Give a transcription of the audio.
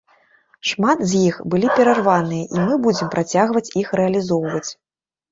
Шмат з іх былі перарваныя, і мы будзем працягваць іх рэалізоўваць.